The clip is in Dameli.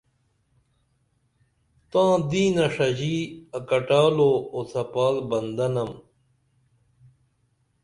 تاں دینہ ݜژی اکٹال او اوڅپال بندہ نم